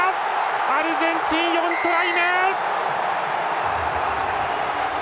アルゼンチン、４トライ目！